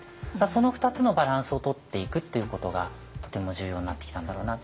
その２つのバランスをとっていくっていうことがとても重要になってきたんだろうな。